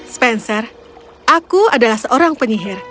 spencer aku adalah seorang penyihir